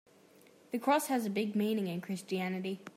The cross has a big meaning in Christianity.